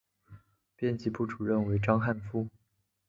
编辑部主任为章汉夫。